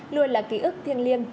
luôn là ký ức thiêng liêng